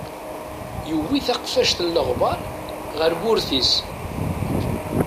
Yuwi taqfact n leɣbar ɣer wurti-s.